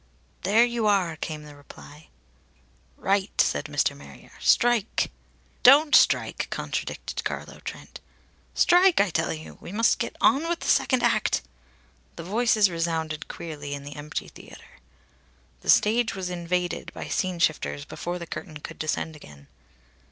"There you are!" came the reply. "Right!" said Mr. Marrier. "Strike!" "Don't strike!" contradicted Carlo Trent. "Strike, I tell you! We must get on with the second act." The voices resounded queerly in the empty theatre. The stage was invaded by scene shifters before the curtain could descend again.